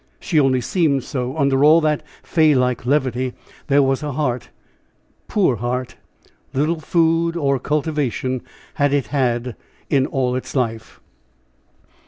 She only seemed so under all that fay like levity there was a heart. Poor heart! little food or cultivation had it had in all its life.